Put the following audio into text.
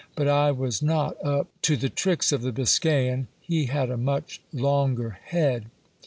But I was not up to the tricks of the Biscayan, he had a much longer head.